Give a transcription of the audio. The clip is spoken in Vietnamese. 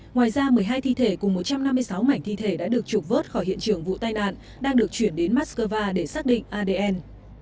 ngoài ra một mươi hai thi thể cùng một trăm năm mươi sáu mảnh thi thể đã được trục vớt khỏi hiện trường vụ tai nạn đang được chuyển đến moscow để xác định adn